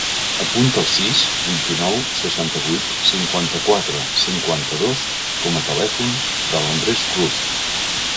Apunta el sis, vint-i-nou, seixanta-vuit, cinquanta-quatre, cinquanta-dos com a telèfon de l'Andrés Cruz.